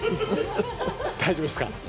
大丈夫ですか？